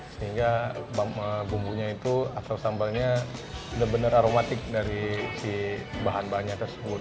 sehingga bumbunya itu atau sambalnya benar benar aromatik dari si bahan bahannya tersebut